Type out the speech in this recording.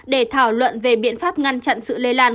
để thảo luận về biện pháp ngăn chặn sự lây lan